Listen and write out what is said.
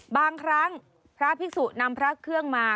บางครั้งพระภิกษุนำพระเครื่องมา